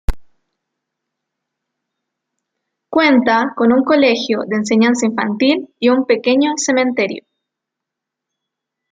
Cuenta con un colegio de enseñanza infantil y un pequeño cementerio.